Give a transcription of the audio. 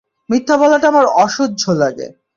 মিথ্যা বলাটা আমার অসহ্য লাগে!